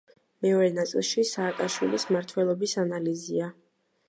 მეორე ნაწილში „სააკაშვილის მმართველობის ანალიზია“.